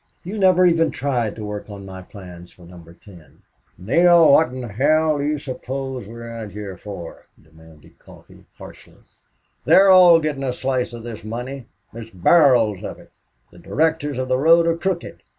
You never even tried to work on my plans for Number Ten." "Neale, what in hell do you suppose we're out here for?" demanded Coffee, harshly. "They're all getting a slice of this money. There's barrels of it. The directors of the road are crooked.